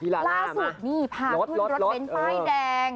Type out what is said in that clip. ล่าสุดนี่พาขึ้นรถเบ้นป้ายแดง